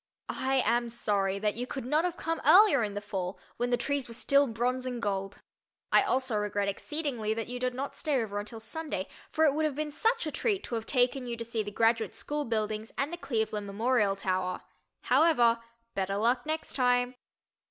I am sorry that you could not have come earlier in the fall, when the trees were still bronze and gold. I also regret exceedingly that you did not stay over until Sunday, for it would have been such a treat to have taken you to see the Graduate School buildings and the Cleveland Memorial Tower. However, "better luck next time."